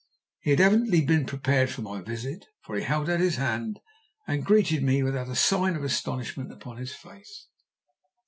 He had evidently been prepared for my visit, for he held out his hand and greeted me without a sign of astonishment upon his face.